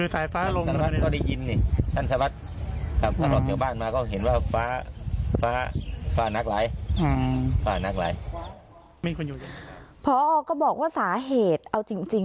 ท่านสมัสก็ได้ยินท่านสมัสก็ได้ยิน